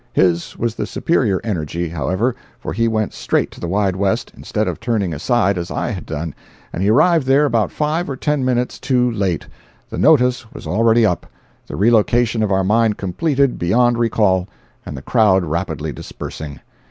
His was the superior energy, however, for he went straight to the Wide West, instead of turning aside as I had done—and he arrived there about five or ten minutes too late! The "notice" was already up, the "relocation" of our mine completed beyond recall, and the crowd rapidly dispersing.